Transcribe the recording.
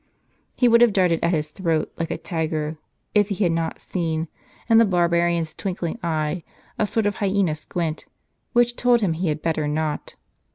He would have darted at his throat, like a tiger, if he had not seen, in the barbarian's twinkling eye, a sort of hyena squint, which told him he had better not.